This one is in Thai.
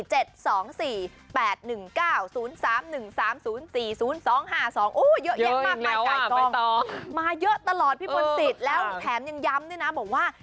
โอ้โหเยอะแยะมากมายไก่กองมาเยอะตลอดพี่มนต์สิทธิ์แล้วแถมยังย้ำด้วยนะบอกว่า